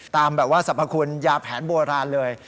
ตามแบบว่าสรรพคุณยาแผนโบราณเลย